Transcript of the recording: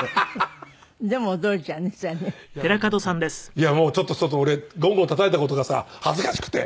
いやもうちょっと俺ゴンゴンたたいた事がさ恥ずかしくて。